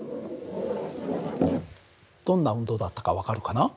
どんな運動だったか分かるかな？